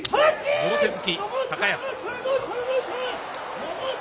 もろ手突き、高安。